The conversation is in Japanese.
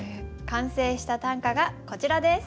完成した短歌がこちらです。